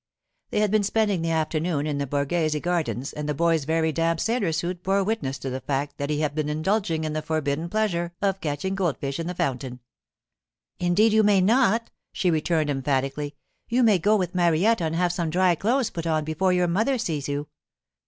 They had been spending the afternoon in the Borghese gardens, and the boy's very damp sailor suit bore witness to the fact that he had been indulging in the forbidden pleasure of catching goldfish in the fountain. 'Indeed you may not,' she returned emphatically. 'You may go with Marietta and have some dry clothes put on before your mother sees you.